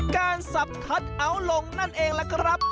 การสับทัดอาวุธนั่นเองครับ